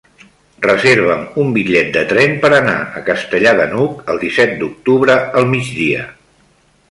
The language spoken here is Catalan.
Reserva'm un bitllet de tren per anar a Castellar de n'Hug el disset d'octubre al migdia.